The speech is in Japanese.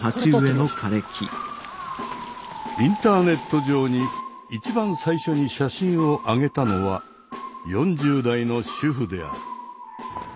インターネット上に一番最初に写真をあげたのは４０代の主婦である。